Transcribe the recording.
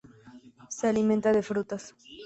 Se alimenta de frutas.